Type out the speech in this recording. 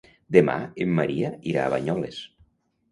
Demà en Maria irà a Banyoles.